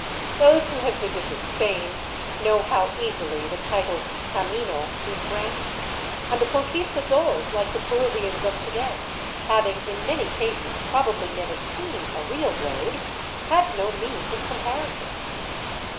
Those who have visited Spain know how easily the title " camino " is granted, and the Conquistadores, like the Peruvians of to day, having in many cases probably never seen a real road, had no means of comparison.